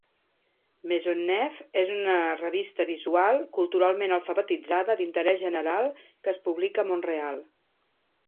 Maisonneuve és una revista bimensual culturalment alfabetitzada d'interès general que es publica a Mont-real.